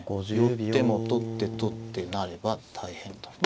寄っても取って取って成れば大変と。